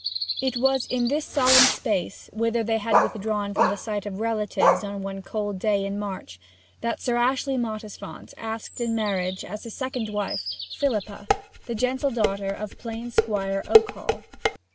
It was in this solemn place, whither they had withdrawn from the sight of relatives on one cold day in March, that Sir Ashley Mottisfont asked in marriage, as his second wife, Philippa, the gentle daughter of plain Squire Okehall.